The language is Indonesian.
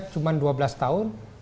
cuma dua belas tahun